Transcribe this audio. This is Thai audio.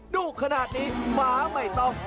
ดูขนาดนี้หมาไม่ต้อง